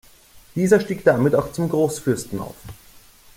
Dieser stieg damit auch zum Großfürsten auf.